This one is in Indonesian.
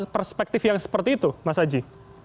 perspektif yang seperti itu mas aji